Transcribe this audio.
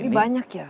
jadi banyak ya